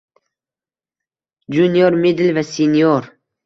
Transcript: Junior, middle va senior